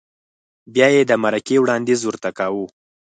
بیا یې د مرکې وړاندیز ورته کاوه؟